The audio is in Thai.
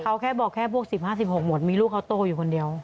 เขาแค่บอกแค่แค่พวกสิบห้าสิบหกหมดมีลูกเขาโตอยู่คนเดียว